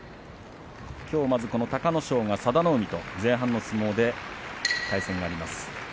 きょう、まずこの隆の勝が佐田の海と前半の相撲で対戦があります。